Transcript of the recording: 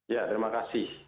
ya terima kasih